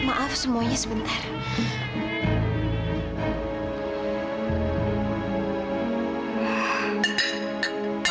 kamu nggak nafsu makan dengan kerajaan itu